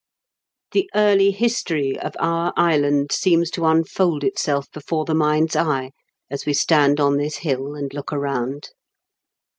The early history of our island seems to unfold i.^/wore I mind', eye a. we stand on this hill, and look aroimd.